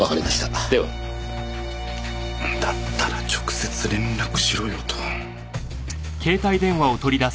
だったら直接連絡しろよと。